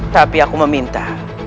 tapi aku meminta